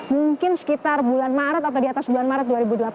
mungkin sekitar bulan maret atau di atas bulan maret dua ribu delapan belas